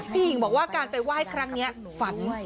หญิงบอกว่าการไปไหว้ครั้งนี้ฝัน